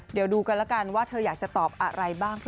เดี๋ยวดูกันแล้วกันว่าเธออยากจะตอบอะไรบ้าง